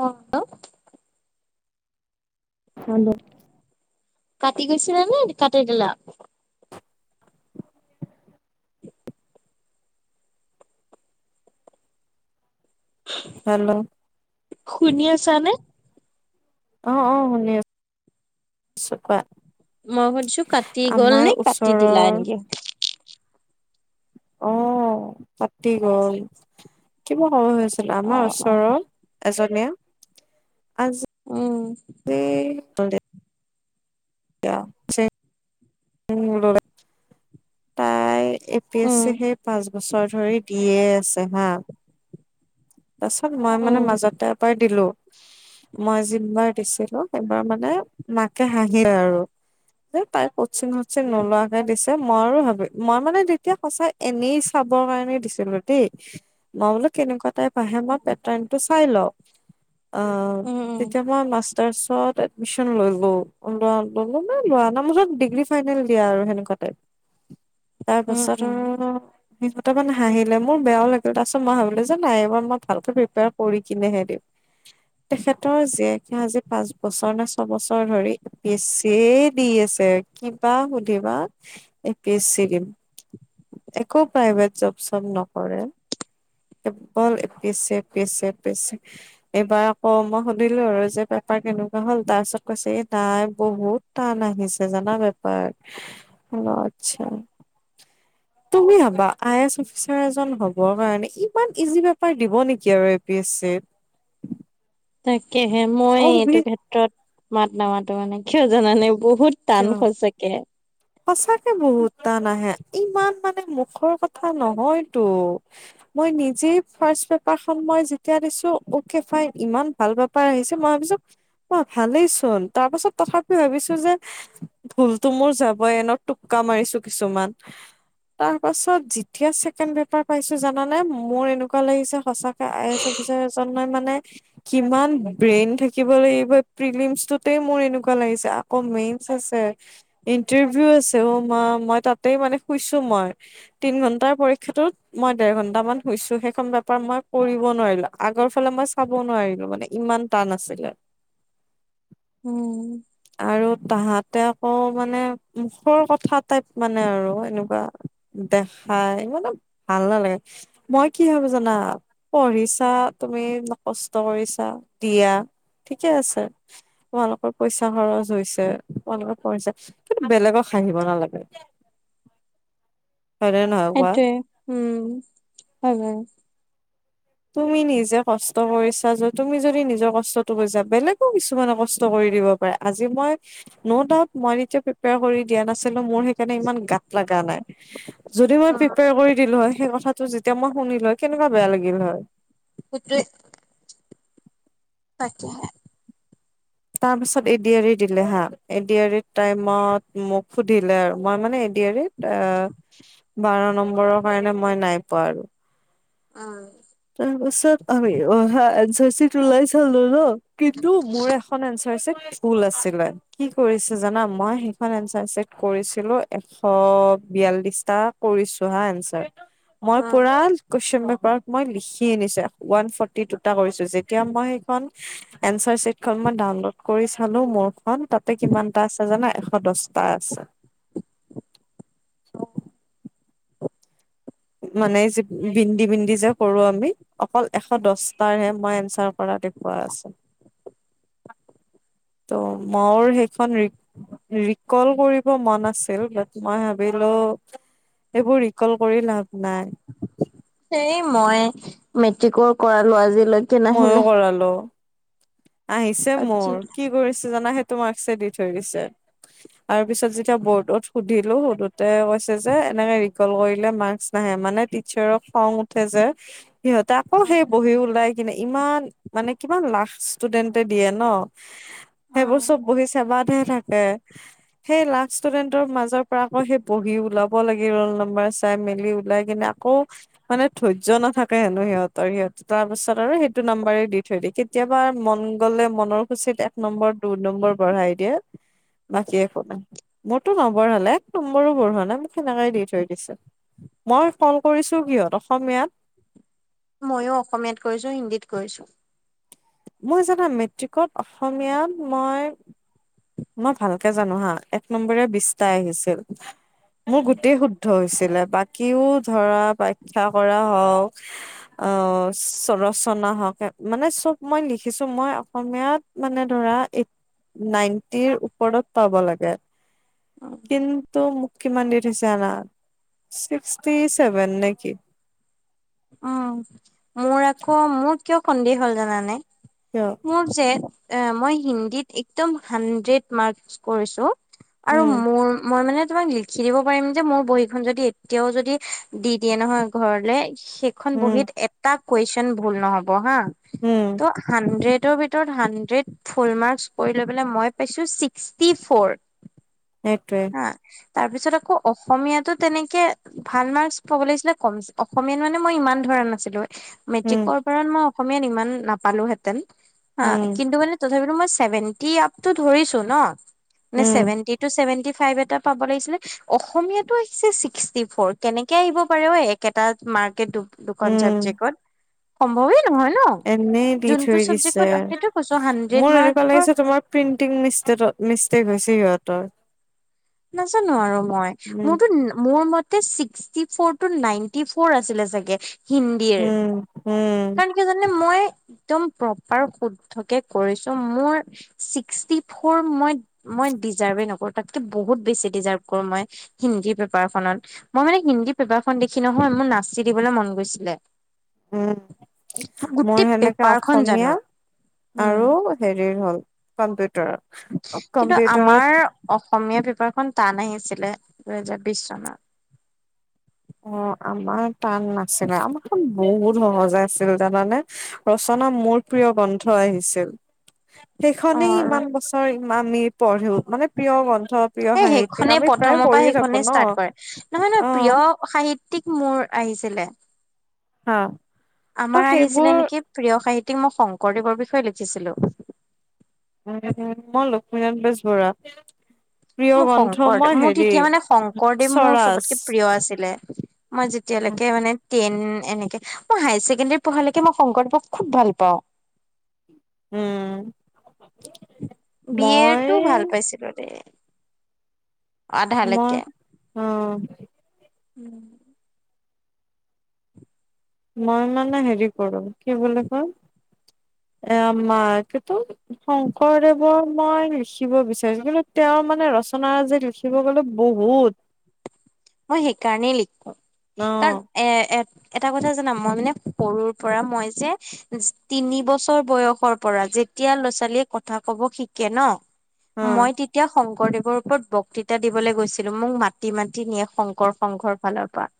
অ। হৈ গল। কাটি গৈছিলা নে কাটি দিলা? [inaudible] হেল্ল'। শুনি আছানে? অ', অ' শুনি আ ছোঁ, কোৱা। মই সুধিছোঁ কাটি গ'ল আমাৰ নে কাটি ওচৰৰ দিলা এনকে। অ' কাটি গ'ল কিবোৰ [unintelligible] হৈ আছিলে অ আমাৰ অ। ওচৰৰ এজনে, আজ উম। [unintelligible] [unintelligible] উম [unintelligible] এই A P S um C সেই পাঁচ বছৰ ধৰি দিয়ে আছে হা তাৰপিছত মই মানে উম মাজতে এবাৰ দিলোঁ মই যোনবাৰ দিছিলোঁ, সেইবাৰ মানে মাকে হাঁহিলে আৰু। যে তাই কচিং শচিং নোলোৱাকে দিছে, মই ভাবি মই মানে তেতিয়া সঁচাই এনেই চাবৰ কাৰণে দিছিলোঁ দেই, মই বোলো কেনেকুৱা টাইপ আহে মই উম পেটাৰ্নটো চাই লওঁ অ' উম। যেতিয়া মই মাচ তাৰপিছত এডমিশন ল'লোঁ ল'লোঁ [unintelligible] মানে লোৱা নাই, মুঠত ডিগ্ৰী ফাইনেল দিয়া আৰু সেনেকুৱা টাইপ। [inaudible] তাৰপাছত উম আৰু সিহঁত মানে হাঁহিলে, মোৰ বেয়াও লাগিল তাৰপিত মই ভাবিলোঁ যে নাই এইবাৰ মই ভালকে প্ৰিপেয়াৰ কৰি কিনেহে দিম। তেখেতৰ জীয়েকে আজি পাঁচ বছৰ নে ছবছৰ ধৰি পিছে দি আছে, কিবা সুধিবা এ পি এছ চি দিম। একো প্ৰাইভেট জব চব নকৰে, কেৱল পিছে, পিছে, পিছে এইবাৰ আকৌ মই সুধিলোঁ আৰু যে পেপাৰ কেনেকুৱা হ'ল তাৰপিছত কৈছে এই নাই বহুত টান আহিছে জানা বেপাৰ, হ' আচ্ছা। তুমি ভাবা আই এছ অফিচাৰ এজন হ'বৰ কাৰণে ইমান ইজি পেপাৰ দিব নেকি আৰু এ পি এচ চিত। তাকেহে মই অ এইটো ক্ষেত্ৰত মাত নামাতো মানে কিয় জানানে বহুত টান কিয় সচাকেহে। সঁচাকে বহুত টান আহে, ইমান মানে মুখৰ কথা নহয়তো। মই নিজেই মই যেতিয়া দিছোঁ অকে ফাইন ইমান ভাল পা পাই আহিছে মই ভাবিছোঁ মই ভালেইচোন তাৰপাছত তথাপি ভাবিছোঁ যে ভুলটো মোৰ যাবই এনেও টোক্কা মাৰিছোঁ কিছুমান। তাৰপাছত যেতিয়া ছেকেণ্ড পেপাৰ পাইছোঁ জানানে মোৰ এনেকুৱা লাগিছে সঁচা আই এছ অফিচাৰ এজনেই মানে কিমান ব্ৰেইন থাকিব লাগিবি, এই প্ৰিলিমছটোতে মোৰ এনেকুৱা লাগিছে, আকৌ মেইন। চেচে, ইন্টাৰভিউ আছে অ' মা মই তাতে মানে শুইছোঁ মই। তিনি ঘণ্টাৰ পৰীক্ষাটোত মই দেৰ ঘন্টা মান হৈছোঁহে, সেইখন পেপাৰ মই কৰিব নোৱাৰিলোঁ, আগৰ ফালে মই চাব নোৱাৰিলোঁ মানে ইমান টান‌ আছিলে। উম। আৰু তাহাঁতে আকৌ মানে মুখৰ কথা টাইপ মানে আৰু এনেকুৱা। দেখাই মানে ভাল নালাগে। মই কি ভাবোঁ জানা পঢ়িছা তুমি কষ্ট কৰিছা দিয়া ঠিকে আছে তোমালোকৰ পইচা খৰচ হৈছে তোমালোকে পঢ়িছে কিন্তু বেলেগক হাঁহিব নালাগে হয় নে নহয় কোৱা সেইটোৱে উম হয় বাৰু তুমি নিজে কষ্ট কৰিছা যে তুমি যদি নিজৰ কষ্টটো বুজা বেলেগেও কিছুমানে কষ্ট কৰি দিব পাৰে আজি মই ন ডাউট মই যেতিয়া প্ৰিপেয়াৰ কৰি দিয়া নাছিলো মোৰ সেইকাৰণে ইমান গাত লগা নাই যদি মই অ প্ৰিপেয়াৰ কৰি দিলো হয় সেই কথাটো যেতিয়া মই শুনিলো হয় কেনেকুৱা বেয়া লাগিল হয় সেইটোৱে তাকেহে তাৰ পিছত এডি আৰি দিলে হা এডি আৰি টাইমত মোক সুধিলে আৰু মই মানে এডি আৰিত আ বাৰ নম্বৰৰ কাৰণে মই নাই পোৱা আৰু উম তাৰ পাছত আমি অহা এনচা চে চি ওলাই চালো ন কিন্তু মোৰ এখন এন চে চিত ভুল আছিলে কি কৰিছে জানা মই সেইখন এনচাৰ চেক কৰিছিলো এশ বিয়াল্লিশটা কৰিছো হা এনচাৰ [unintelligible] মই পুৰা কোৱেইশন পেপাৰ মই লিখি আনিছো ওৱান ফৰ্টি দুটা কৰিছো যেতিয়া মই সেইখন এনচাৰ চিট খন মই ডাউনলোড কৰি চালো মোৰখন তাতে কিমানটা আছে জানা এশ দহটা আছে মানে যি বিন্দি বিন্দি যে কৰো আমি অকল এশ দচটাৰ হে মই এনচাৰ কৰা দেখুওৱা আছো [unintelligible] ত' মোৰ সেইখন ৰি ৰিকল কৰিব মন আছিল বাত মই ভাবিলো এইবোৰ ৰিকল কৰি লাভ নাই সেই মই মেট্ৰিকৰ কৰালো আজিলৈক মইয়ো কৰালো আহিছে আজি মোৰ কি কৰি ছে জানা সেইটো মাৰ্কচে দি থৈ দিছে আৰু পিছত যেতিয়া বৰ্ডত সুধিলো সুধু তে কৈছে যে এনেকে ৰিকল কৰিলে মাৰ্কচ নাহে মানে টিচাৰৰ খং উঠে যে সিহঁতে আকৌ অ সেই বহী ওলাই কিনে ইমান মানে কিমান লাখ ষ্টুডেণ্টে দিয়ে ন সেইবোৰ অ। চব বহি চেবাতহে থাকে সেই লাখ ষ্টুডেন্টৰ মাজত পৰা আকৌ সেই বহি ওলাব লাগে ৰোল নাম্বাৰ চাই মেলি ওলাই কিনে আকৌ মানে ধৈৰ্য নাথাকে হেনো সিহঁতৰ সিহত তাৰ পাছত আৰু সেইটো নাম্বাৰে দি থৈ দিয়ে কি কেতিয়াবা মন গলে মনৰ খুচীত এক নম্বৰ দুই নম্বৰ বঢ়াই দিয়ে বাকী একো নাই মোৰতো নবঢ়ালে এক নম্বৰ বঢ়োৱা নাই মোক সেনেকাই দি থৈ দিছে মই কল কৰিছো কিহত অসমীয়াত মইয়ো অসমীয়াত কৰিছো হিন্দীত কৰিছো মই জানা মেট্ৰিকত অসমীয়াত মই মই ভালকে জানো হা এক নম্বৰে বিশটা আহিছিল মোৰ গোটেই শুদ্ধ হৈছিলে বাকীও ধৰা ব্যাখা কৰা হওক আহ ৰচনা হওক মানে চব মই লিখিছো মই অসমীয়াত মানে ধৰা এইট নাইন টিৰ ওপৰত পাব লাগে কিন্তু মো কিমান দি থৈছে জানা? ছিক্সটি ছেভেন নেকি। উম, মোৰ আকৌ মোৰ কিয় সন্দেহ হ'ল জানানে? কিয়? মোৰ যে এ মই হিন্দীত একদম হানড্ৰেড মাৰ্কচ কৰিছোঁ। আৰু উম, মোৰ মই মানে তোমাক লি খি দিব পাৰিম যে মোৰ বহীখন যদি এতিয়াও যদি দি দিয়ে নহয় ঘৰলে সেইখন উম, বহিত এটা কুৱেছন ভূল নহব হা, উম, ত হানড্ৰেডৰ ভিত তৰ হানড্ৰেড ফুল মাৰ্ক্সৰ কৰি লৈ পেলায় মই পাইছোঁ ছিক্সটি ফৰ। একটোৱে আ তাৰপিছত আকৌ অসমীয়াতো তেনেকে ভাল মাৰ্কচ পাব লাগিছিলে কম অসমীয়াত মানে মই ইমান ধৰা না ছিলো উম, মেট্ৰিকৰ পৰা মই অসমীয়াত ইমান নাপালো হেতেন হা উম, কিন্তু মানে তথাপিতো মই ছেভেন্টি আপটো ধৰিছোঁ ন, নে উম, ছেভেন্টি টু ছেভেন ফাইভ এটা পাব লাগিছিলে অসমীয়াটো আহিছে ছিক্সটি ফৰ, কেনেকে আহিব পাৰে ঐ একেটা মাৰ্কেটো? দুখন উম। চাবজেক্টত। সম্ভৱেই নহয় ন, এনেই দি যোনটো থৈ দিছে। চাবজেক্টত সেইটো কৈছো হানড্ৰেড মাৰ্কৰ প্ৰিণ্টিং মিষ্টেতত মিষ্টেক হৈছে সিহঁতৰ। নাজানো আৰু মই, উম, মোৰতো মোৰ মত তে sixty four two ninety four আছিলে চাগে? হুম হুম। কি জানানে মই একদম প্ৰপাৰ শুদ্ধকে কৰিছোঁ মোৰ ছিক্সটি ফৰ মই মই ডিজাৰ্ভে নকৰো তাতকে বহুত বেছি ডিজাৰ্ভ কৰো মই হিন্দী পেপাৰখনত, মই মানে হিন্দী পেপাৰখন দেখি নহয় মোৰ নাচি দিবলৈ মন গৈছিলে। উম, মই মোৰ গোটেই সেনেকে পেপাৰখন অসমীয়া জানো উম আৰু হেৰি হ'ল কম্পিউটাৰত অ কিন্তু আমাৰ কম্পিউটাৰত অসমীয়া পেপাৰখন টান আহিছিলে দুহেজাৰ বিশ চনত। অ আমাৰ টান নাছিলে, আমাৰখন বহুত সহজে আছিল তাৰমানে ৰচনা মোৰ প্ৰিয় গ্ৰন্থ আহিছিল। সেইখনেই অ ইমান বছৰ ইমানি পঢ়িও মানে প্ৰিয় গ্ৰন্থ প্ৰিয় এই সাহিত্যিক সেইখনেই আমি প্ৰায় প্ৰথমৰ পৰা কৰিয়ে থাকো সেইখনেই ন ষ্টাৰ্ট কৰে, নহয় নহয় অ প্ৰিয় সাহি তিক মোৰ আহিছিলে, হা ত' আমাৰ আহিছিলে সেইবোৰ নেকি প্ৰিয় সাহিত্যিক মই শংকৰদেৱৰ বিষয়ে লিখিছিলোঁ। উম মই লক্ষ্মীনাথ বেজবৰুৱা। প্ৰিয় মোৰ গ্ৰন্থ শংকৰদেৱ মই মোৰ তেতিয়া মানে হেৰি শংকৰদেৱ মোৰ স্বৰাজ। চবতকে প্ৰিয় আছিলে, মই যেতিয়ালৈকে মানে টেন এনেকে মই হায়াৰ ছেকেণ্ডেৰী পঢ়ালৈকে মই শংকৰদেৱক খুব ভাল পাওঁ। উম। বি মই এটো ভাল পাইছিলো দেই। মই আধালৈকে অ উম। মই মানে হেৰি কৰো কি বুলি কয় এয়া মা কেতো শংকৰদেৱৰ মই লিখিব বিচাৰিছো কিন্তু তেওঁৰ মানে ৰচনা যে লিখি খিব গ'লে বহুত। মই সেইকাৰণেই লিখো অ কাৰণ এ এ এটা কথা জনাম মই মানে সৰুৰ পৰা মই যে তিনি বছৰ বয়সৰ পৰা যেতিয়া ল'ৰা ছোৱালীয়ে কথা কব শিকে ন অ মই তেতিয়া শংকৰদেৱৰ ওপৰত বক্তিতা দিবলৈ গৈছিলো মোক মাতি মাতি নিয়ে শংকৰ শংঘৰ ফালৰ পৰা।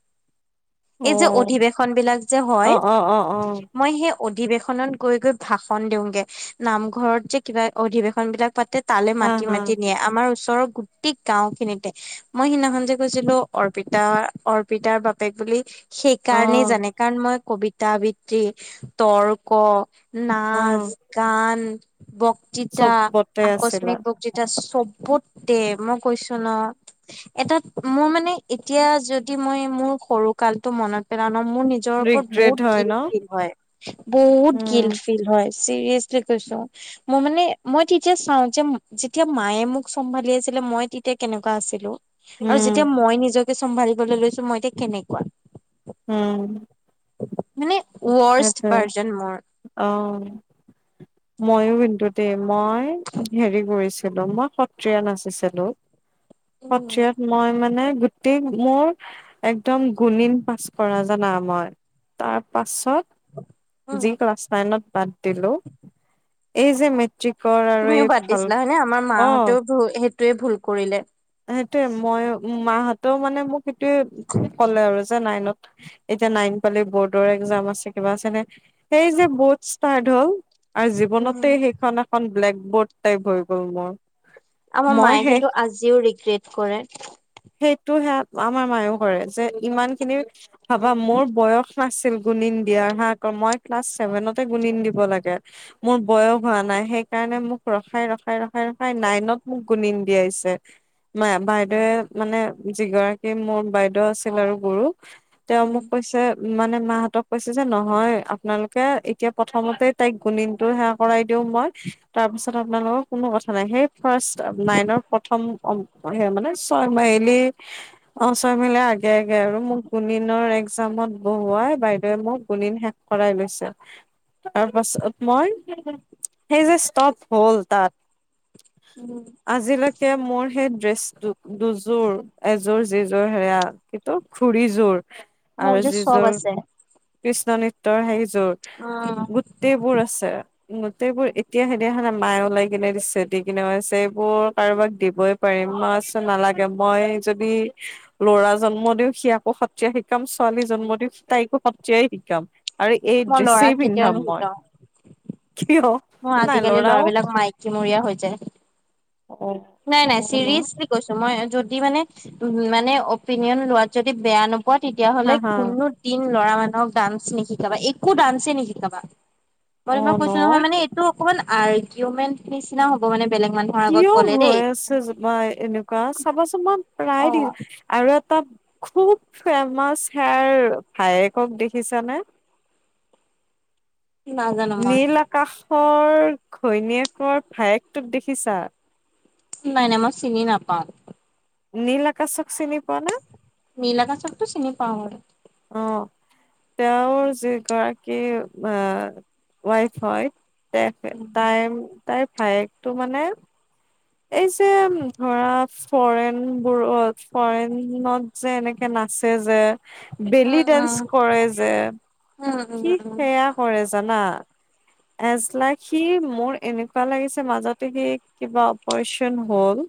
এই যে অ অধিৱেশন বিলাক যে অ হয়। অ অ অ মই সেই অধিবেশনত গৈ গৈ ভাষন দিওঁগে নামঘৰত যে কিবা অধিবেশন বিলাক পাতে তালে হা মাতি হা মাতি নিয়ে আমাৰ ওচৰৰ গোটেই গাঁও খিনিতে মই সিদিনাখন যে কৈছিলো অৰ্পিতা অৰ্পিতাৰ বাপেক বুলি অ সেইকাৰণেই জানে। কাৰণ মই কবিতা অবৃত্তি, তৰ্ক, অ নাচ, গান, বক্তৃতা, চবতে আছিলা আকস্মিক বক্তৃতা চব তে মই কৈছো ন এটাত মোৰ মানে এতিয়া যদি মই মোৰ সৰু কালতটো মনত পেলা ন মোৰ নি জৰ ওপৰত ৰিগ্ৰেট বহুত হয় ন গিলত ফিল হয় বহুত উম গিলত ফিল হয়। চিৰিয়াছলি কৈছো। মই মানে মই তেতিয়া চাও যে যেতিয়া মায়ে মোক চম্ভালি আছিলে মই তেতিয়া কেনেকুৱা আছিলো আৰু উম যেতিয়া মই নিজকে চম্ভালিবলৈ লৈছো মই এতিয়া কেনেকুৱা। উম। মানে উৱষ্ট ভাৰ্ছন মোৰ। অহ মইয়ো কিন্তু দেই মই হেৰি কৰিছিলো মই সত্ৰীয়া নাচিছিলো। উম সত্ৰীয়া মই মানে গোটেই মোৰ একদম গুণিন পাছ কৰা জানা মই। তাৰপাছত উম। যি ক্লাছ নাইনত বাদ দিলো এই যে মে ট্ৰিকৰ আৰু তুমিও এই বাদ ভাল দিছিলা হয়নে আমাৰ অ মাহঁতেও সেইটোৱে ভুল কৰিলে সেইটোয়ে মই মাহতেও মানে মোক সেইটোয়ে ক'লে আৰু যে নাইনত এতিয়া নাইন পালি বৰ্ডৰ একজাম আছে কিবা আছে সেই যে বৰ্ডছ ষ্টাৰট হল আৰু উম, জীৱনতে সেইখন এখন ব্লেক বৰ্ড টাইপ হৈ গ'ল মোৰ। আমাৰ মই মায়ে সেই কিন্তু আজিও ৰিগ্ৰেট কৰে। সেইটো সে আমাৰ মায়ও কৰে যে ইমান খিনি ভাবা মোৰ বয়স নাছিল গুণিন দিয়াৰ হা আকৌ মই ক্লাছ চছেভেনতে গুণিন দিব লাগে মোৰ বয়স হোৱা নাই সেই কাৰণে মোক ৰখাই ৰখাই ৰখাই ৰখাই নাইনত মোক গুণিন দিয়াইছে, মা বাইদেৱে মানে যিগৰাকী মোৰ বাইদেউ আছিল আৰু গুৰু, তেওঁ মোক কৈছে মানে মাহঁতক কৈছে যে নহয় আপোনালোকে এতিয়া প্ৰথমতে তাইক গুণীন টো সেৱা কৰাই দিও মই। তাৰপিছত আপোনালোকৰ কোনো কথা নাই সেই ফাৰ্ষ্ট নাইনৰ প্ৰথম হে মানে [unintelligible] অ ছয় মাইলৰ আগে আগে আৰু মোক গুনিণৰ একজামত বহোৱাই বাইদেৱে মোক গুদিন শেষ কৰাই লৈছে। তাৰপাছত মই সেই যে ষ্টপ হ'ল তাত আজিলৈকে মোৰ সেই ড্ৰেচটো দুযোৰ এযোৰ যিযোৰ সেয়া কিটো খুৰিযোৰ মোৰ যে চব আছে। কৃষ্ণ নৃত্যৰ সেইযোৰ। অ গোটেইবোৰ আছে। গোটেইবোৰ এতিয়া সেদিনাখানে মায়ে ওলাই কিনে দিছে দি কিনে কৈছে এইবোৰ কাৰোবাক দিবই- পাৰিম। মই কৈছোঁ নালাগে, মই যদি- লৰা জন্ম দিও সিয়াকো সত্ৰীয়াই শিকাম ছোৱালী জন্ম দিও তাইকো সত্ৰীয়াই শিকাম। আৰু এই মই ল'ৰাক ড্ৰেছেই কেতিয়াও পিন্ধাম মই। নিশিকাও। কিয়? মোৰ নাই আজিকালি ল'ৰাও লৰাবিলাক মাইকীমূৰীয়া হৈ অ যায়। নাই নাই অ ন চিৰিজ- কৈছোঁ মই যদি মানে উ মানে অপিনিয়ন লোৱাত যদি বেয়া ন- মই হা তেতিয়াহলে হা কোনো- দিন লৰা মানুহক ডান্স নিশিকাবা একো ডান্সে নিশিকাবা। মই অ তোমাক কৈছো ন নহয় মানে- টো অকমান আৰ্গিউমেণ্ট নিচিনা হ'ব মানে বেলেগ মানুহ- কিয় হৈয় আছে জোপা এনেকুৱা চাবাচোন মই প্ৰায় অ'। দেখিছো আৰু- তাত খুব ফেমাচ হেয়াৰ ভায়েকক দেখিছানে? নাজানো মই নীল আকাশৰ ঘৈণীয়েকৰ ভায়েক তোক দেখিছা? নাই নাই মই চিনি নাপাওঁ। নীল আকাশক চিনি পোৱা না? নীল আকাশকটো চিনি পাওঁ। অ তেওঁৰ যি গৰাকী আ ৱাইফ হয়, তে তাই উম তাইৰ ভায়েকটো মানে- এই যে, ধৰা- ফৰেন বোৰত ফৰেনত যে এনেকে নাচে যে- বেলি উম দান্স কৰে যে, উম উম সি উম। সেয়া কৰে জানা? এজলাইক সি মোৰ এনেকুৱা লাগিছে মাজতে সি কিবা অপাৰচন হ'ল।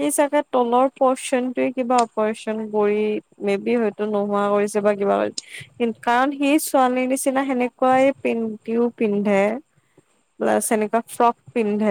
সি চাগে তলৰ পচনটোয়ে কিবা অপাৰচন কৰি বেবি হৈ- নোহোৱা কৰিছে বা কিবা- কাৰণ সি ছোৱালীৰ নিচিনা সেনেকুৱাই পেন্টিও পিন্ধি- ধে জাষ্ট হেনেকা ফ্ৰক পিন্ধে।